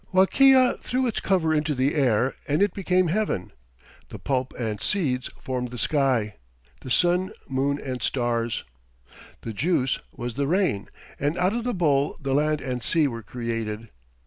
Wakea threw its cover into the air, and it became heaven. The pulp and seeds formed the sky, the sun, moon and stars. The juice was the rain, and out of the bowl the land and sea were created.